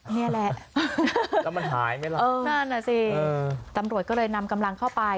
นี่แหละตำรวจก็เลยนำกำลังเข้าไป